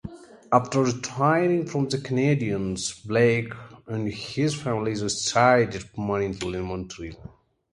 After retiring from the Canadiens, Blake and his family resided permanently in Montreal.